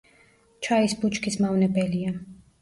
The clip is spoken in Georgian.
ჩაის ბუჩქის მავნებელია.